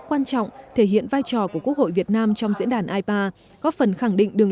quan trọng thể hiện vai trò của quốc hội việt nam trong diễn đàn ipa góp phần khẳng định đường